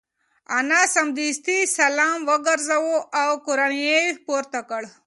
انا سمدستي سلام وگرځاوه او قران یې پورته کړ.